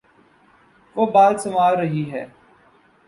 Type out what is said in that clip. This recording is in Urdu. وہ بال سنوار رہی ہے